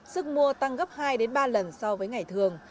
sức mua tăng gấp hai ba lần so với ngày thường